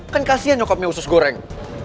kan kasian nyokapnya usus goreng